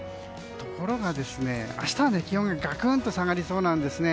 ところが明日は気温がガクンと下がりそうなんですね。